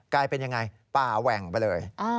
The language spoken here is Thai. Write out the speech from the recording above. กลายเป็นยังไงป่าแหว่งไปเลย